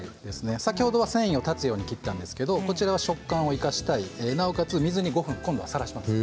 先ほどは繊維を断つように切ったんですがこちらは食感を生かしたいので水にさらします。